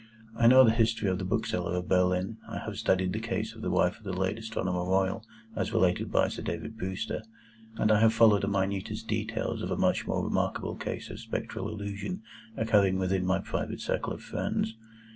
I know the history of the Bookseller of Berlin, I have studied the case of the wife of a late Astronomer Royal as related by Sir David Brewster, and I have followed the minutest details of a much more remarkable case of Spectral Illusion occurring within my private circle of friends.